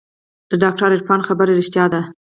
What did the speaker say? د ډاکتر عرفان خبره رښتيا وه.